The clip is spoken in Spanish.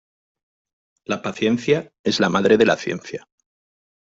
La paciencia es la madre de la ciencia.